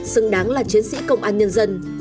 xứng đáng là chiến sĩ công an nhân dân